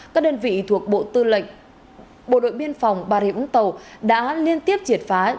các đơn vị thuộc bộ tư lệnh bộ đội biên phòng bà rịa vũng tàu đã liên tiếp triệt phá